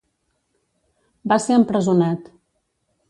Va ser empresonat.